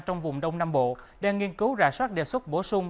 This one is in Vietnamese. trong vùng đông nam bộ đang nghiên cứu rà soát đề xuất bổ sung